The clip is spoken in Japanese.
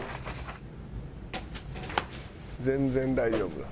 全然大丈夫だ。